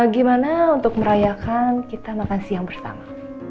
gimana untuk merayakan kita makan siang bersama